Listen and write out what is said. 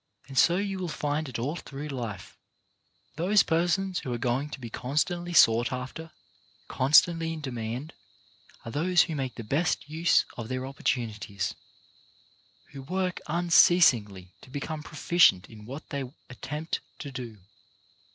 And so you will find it all through life — those persons who are going to be constantly sought after, constantly in demand, are those who make the best use of their opportunities, who work un ceasingly to become proficient in whatever they attempt to do.